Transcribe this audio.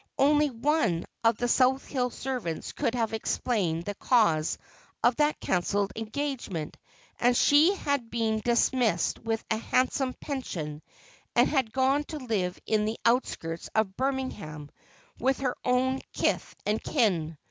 Only one of the South Hill servants could have explained the cause of that cancelled engagement, and she had been dismissed with a handsome pension, and had gone to live in the outskirts of Birmingham, with her own kith and kin.